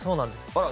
あら！